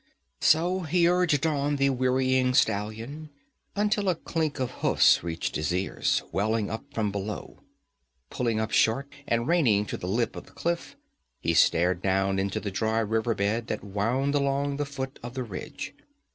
So he urged on the wearying stallion, until a clink of hoofs reached his ears, welling up from below. Pulling up short and reining to the lip of the cliff, he stared down into the dry river bed that wound along the foot of the ridge.